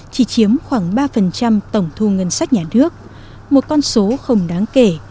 chỉ chiếm khoảng ba tổng thu ngân sách nhà nước một con số không đáng kể